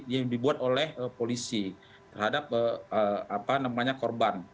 yang dibuat oleh polisi terhadap apa namanya korban